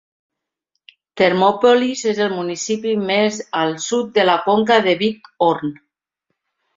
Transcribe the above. Thermopolis és el municipi més al sud de la conca de Big Horn.